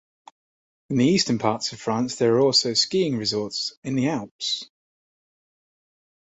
In the eastern parts of France there are skiing resorts in the Alps.